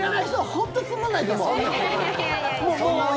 本当につまんないと思う！